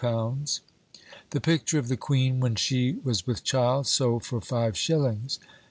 The picture of the Queen when she was with child, sold for five shillings.